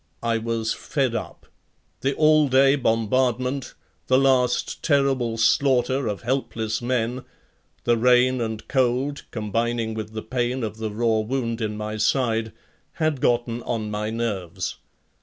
I was fed up. The all day bombardment, the last terrible slaughter of helpless men, the rain and cold, combining with the pain of the raw wound in my side, had gotten on my nerves.